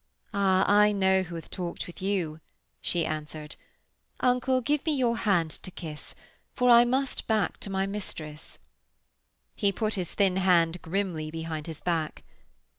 'Ah, I know who hath talked with you,' she answered. 'Uncle, give me your hand to kiss, for I must back to my mistress.' He put his thin hand grimly behind his back.